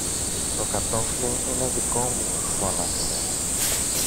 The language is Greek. Το κατώφλι είναι δικό μου, φώναξε.